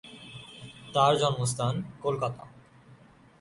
তার জন্ম স্থান কলকাতা।